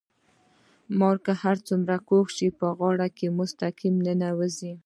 مار هر څومره کوږ شي په غار کې مستقيم ورننوزي.